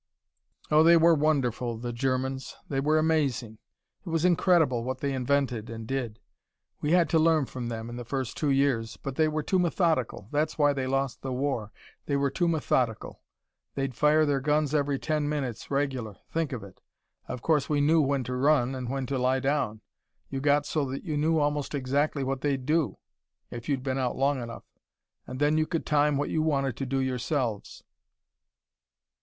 "Oh, they were wonderful, the Germans. They were amazing. It was incredible, what they invented and did. We had to learn from them, in the first two years. But they were too methodical. That's why they lost the war. They were too methodical. They'd fire their guns every ten minutes regular. Think of it. Of course we knew when to run, and when to lie down. You got so that you knew almost exactly what they'd do if you'd been out long enough. And then you could time what you wanted to do yourselves.